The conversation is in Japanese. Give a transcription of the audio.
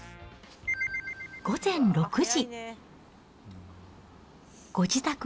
午前６時。